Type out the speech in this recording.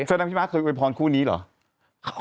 เธอนางพี่มะเคยโอยพรคู่นี้เหรอ